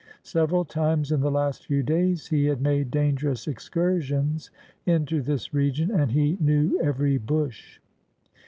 Several times in the last few days he had made dangerous excursions into this region, and he knew every bush.